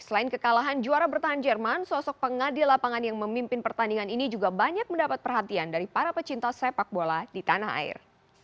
selain kekalahan juara bertahan jerman sosok pengadil lapangan yang memimpin pertandingan ini juga banyak mendapat perhatian dari para pecinta sepak bola di tanah air